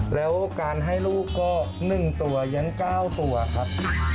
แล้วการให้ลูกก็๑ตัวยั้น๙ตัวครับ